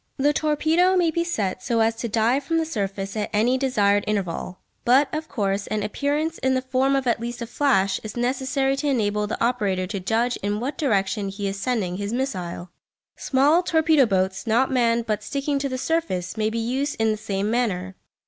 The torpedo may be set so as to dive from the surface at any desired interval; but, of course, an appearance in the form of at least a flash is necessary to enable the operator to judge in what direction he is sending his missile. Small torpedo boats, not manned but sticking to the surface, may be used in the same manner.